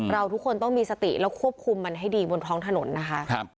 เราทุกคนต้องมีสติแล้วควบคุมมันให้ดีบนท้องถนนนะคะ